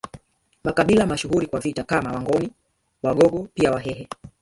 Makabila mashuhuri kwa vita kama Wangoni na Wagogo pia Wahehe